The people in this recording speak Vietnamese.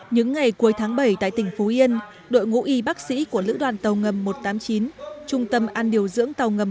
những ngày cuối tháng bảy tại tỉnh phú yên đội ngũ y bác sĩ của lữ đoàn tàu ngầm một trăm tám mươi chín